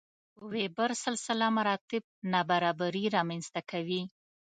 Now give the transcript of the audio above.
وېبر سلسله مراتب نابرابري رامنځته کوي.